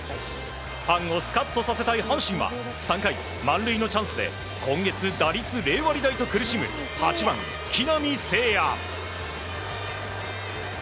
ファンをスカッとさせたい阪神は３回、満塁のチャンスで今月打率０割台と苦しむ８番、木浪聖也。